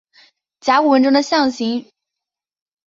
甲骨文中的象形龠字可表明龠是编管竹乐器。